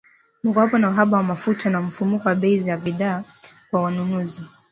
kumekuwepo na uhaba wa mafuta na mfumuko wa bei za bidhaa kwa wanunuzi